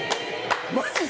マジで？